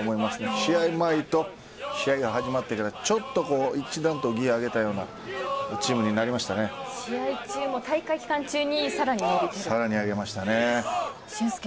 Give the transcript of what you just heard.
試合前と試合が始まってからではちょっと一段階ギアを上げたような試合中もさらに上げましたね。